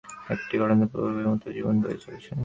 একটি ঘটনা প্রবাহেরই মত জীবন বয়ে চলেছে।